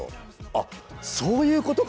あっそういうことかと。